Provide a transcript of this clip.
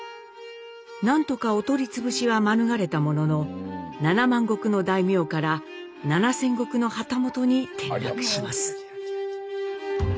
何とかお取り潰しは免れたものの７万石の大名から７千石の旗本に転落します。